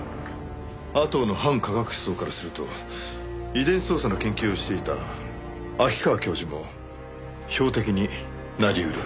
阿藤の反科学思想からすると遺伝子操作の研究をしていた秋川教授も標的になり得る。